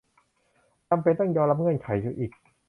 จำเป็นต้องยอมรับเงื่อนไขอยู่อีก